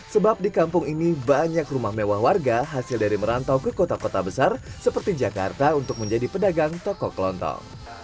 sebab di kampung ini banyak rumah mewah warga hasil dari merantau ke kota kota besar seperti jakarta untuk menjadi pedagang toko kelontong